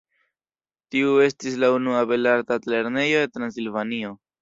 Tiu estis la unua belarta altlernejo de Transilvanio.